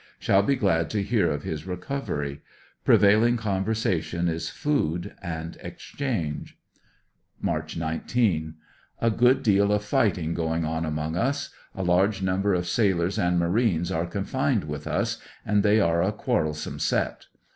Shall be glad to hear of his recovery. Prevailing conversation is food and exchange. March 19 — A good deal of fighting going on among us. A large number of sailors and marines are confined with us, and they are a quarrelsome set.